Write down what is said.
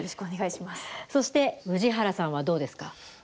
そして宇治原さんはどうですか？